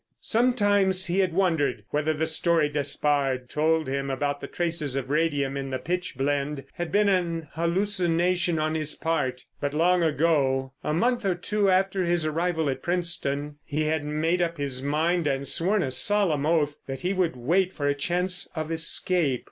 Sometimes he had wondered whether the story Despard told him about the traces of radium in the pitch blende had been an hallucination on his part. But long ago, a month or two after his arrival at Princetown, he had made up his mind and sworn a solemn oath that he would wait for a chance of escape.